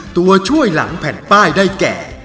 ตัวช่วยหลังแผ่นป้ายได้แก่